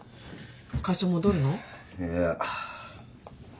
会社戻るの？いや。